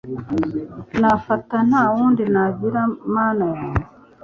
nafata, nta wundi nagira mana yanjye